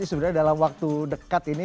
sebenarnya dalam waktu dekat ini